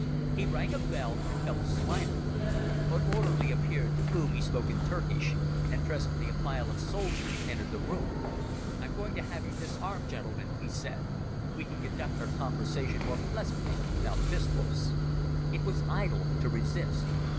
He rang a bell and fell to smiling. An orderly appeared to whom he spoke in Turkish, and presently a file of soldiers entered the room. "I'm going to have you disarmed, gentlemen," he said. "We can conduct our conversation more pleasantly without pistols." It was idle to resist.